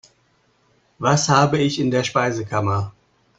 Was habe ich in der Speisekammer?